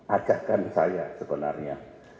ajakan saya sebenarnya